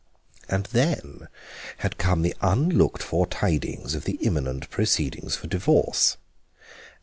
And then had come the unlooked for tidings of the imminent proceedings for divorce.